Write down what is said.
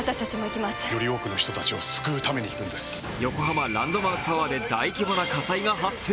横浜ランドマークタワーで大規模な火災が発生。